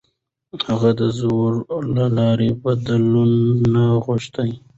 هغه د زور له لارې بدلون نه غوښت.